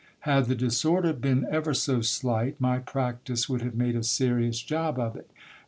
Had the disorder been ever so slight, my practice would have made a serous job of it.